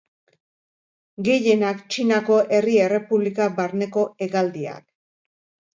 Gehienak, Txinako Herri Errepublika barneko hegaldiak.